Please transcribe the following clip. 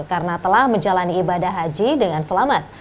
karena telah menjalani ibadah haji dengan selamat